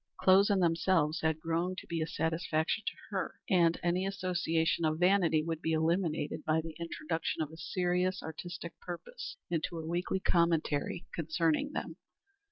Clothes in themselves had grown to be a satisfaction to her, and any association of vanity would be eliminated by the introduction of a serious artistic purpose into a weekly commentary concerning them.